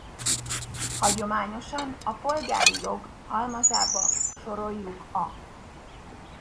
Hagyományosan a polgári jog halmazába soroljuk a